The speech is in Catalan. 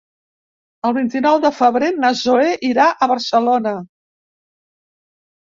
El vint-i-nou de febrer na Zoè irà a Barcelona.